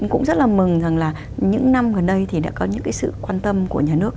cũng rất là mừng rằng là những năm gần đây thì đã có những cái sự quan tâm của nhà nước